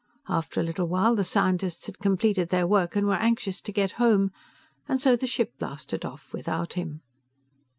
After a little while, the scientists had completed their work and were anxious to get home, and so, the ship blasted off, without him.